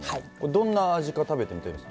どんな味か食べてみたいです。